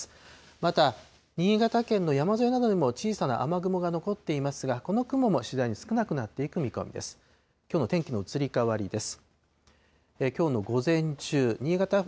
また、新潟県の山沿いなどにも小さな雨雲が残っていますが、この雲も次第に少なくなっていく見込みです。